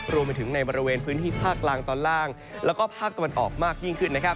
รวมไปถึงในบริเวณพื้นที่ภาคกลางตอนล่างแล้วก็ภาคตะวันออกมายิ่งขึ้น